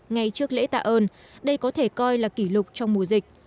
ngay trước lễ tạ ơn đây có thể coi là kỷ lục trong mùa dịch